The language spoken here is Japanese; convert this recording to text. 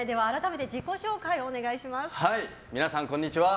皆さんこんにちは。